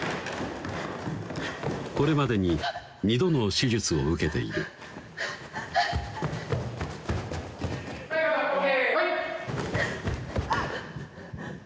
これまでに２度の手術を受けているはいカット！